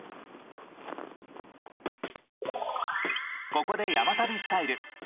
ここで「山旅スタイル」。